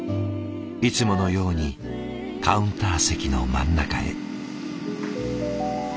いつものようにカウンター席の真ん中へ。